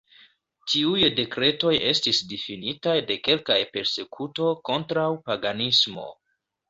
Tiuj dekretoj estis difinitaj de kelkaj Persekuto kontraŭ paganismo.